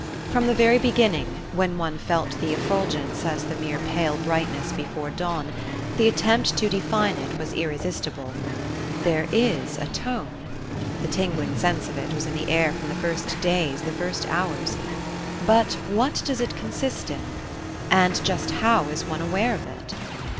From the very beginning, when one felt the effulgence as the mere pale brightness before dawn, the attempt to define it was irresistible. "There is a tone " the tingling sense of it was in the air from the first days, the first hours "but what does it consist in? And just how is one aware of it?"